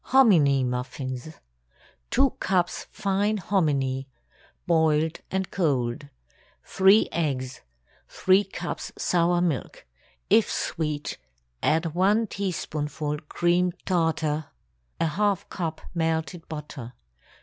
HOMINY MUFFINS. ✠ 2 cups fine hominy—boiled and cold. 3 eggs. 3 cups sour milk. If sweet, add one teaspoonful cream tartar. ½ cup melted butter.